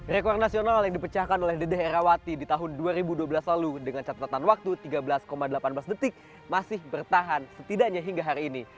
rekor nasional yang dipecahkan oleh dedeh herawati di tahun dua ribu dua belas lalu dengan catatan waktu tiga belas delapan belas detik masih bertahan setidaknya hingga hari ini